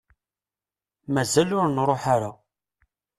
Mazal ur nruḥ ara.